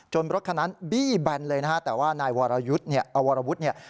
จนรถคนนั้นบี้แบนเลยนะฮะแต่ว่านายวรวุฒิเนี่ย